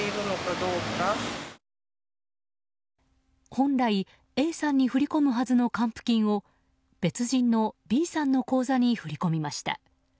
本来Ａさんに振り込むはずの還付金を別人のＢさんの口座に振り込みました。